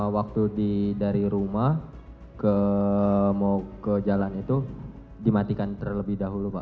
waktu dari rumah mau ke jalan itu dimatikan terlebih dahulu pak